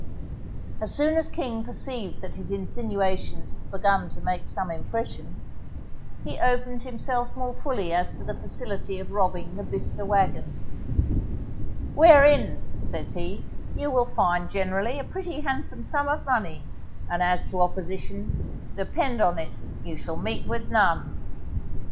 As soon as King perceived that his insinuations begun to make some impression, he opened himself more fully as to the facility of robbing the Bicester wagon, Wherein, says he, _you will find generally a pretty handsome sum of money; and as to opposition, depend on it you shall meet with none.